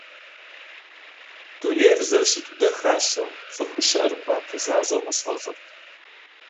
Дунейр зэрыщыту дахащэу, цӀыхуу щыӀэр гуапэ защӀэу къысфӀэщӀырт.